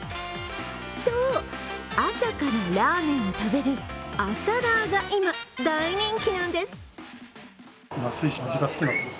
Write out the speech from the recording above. そう、朝からラーメンを食べる、朝ラーが今大人気なんです。